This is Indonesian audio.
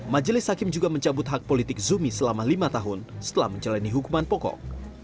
majelis hakim juga mencabut hak politik zumi selama lima tahun setelah menjalani hukuman pokok